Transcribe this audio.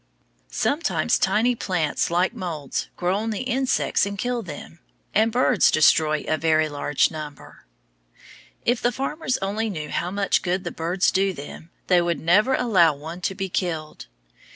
Sometimes tiny plants, like moulds, grow on the insects and kill them; and birds destroy a very large number. If the farmers only knew how much good the birds do them, they would never allow one to be killed.